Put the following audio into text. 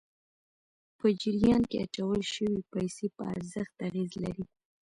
په جریان کې اچول شويې پیسې په ارزښت اغېز لري.